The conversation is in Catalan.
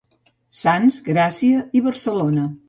Sants, Gràcia i Barcelona.